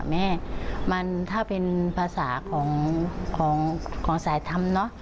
แม่มันถ้าเป็นภาษาของสายทำ